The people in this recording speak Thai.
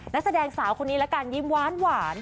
นักแสดงสาวคนนี้ละกันยิ้มหวาน